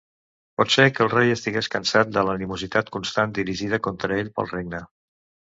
Pot ser que el rei estigués cansat de l'animositat constant dirigida contra ell pel regne.